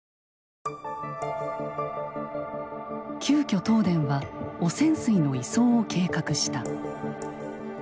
急きょ東電は汚染水の移送を計画した。